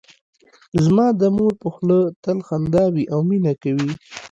زما د مور په خوله تل خندا وي او مینه کوي